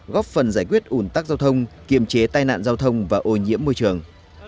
góp phần giải quyết ủn tắc giao thông kiềm chế tai nạn giao thông và ô nhiễm môi trường